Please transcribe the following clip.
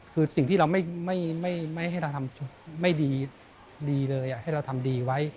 คือสิ่งที่เราไม่ให้เราทำไม่ดีเลยให้เราทำดีไว้